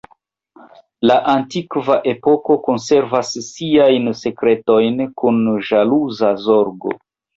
La antikva epoko konservas siajn sekretojn kun ĵaluza zorgo.